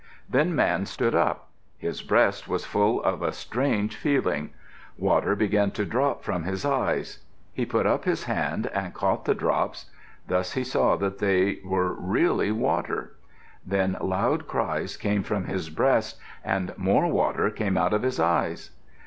Then Man stood up. His breast was full of a strange feeling. Water began to drop from his eyes. He put up his hand and caught the drops; thus he saw that they were really water. Then loud cries came from his breast and more water came out of his eyes.